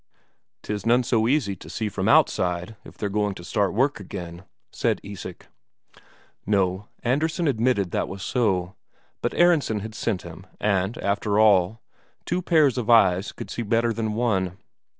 "'Tis none so easy to see from outside if they're going to start work again," said Isak. No, Andresen admitted that was so; but Aronsen had sent him, and after all, two pair of eyes could see better than one.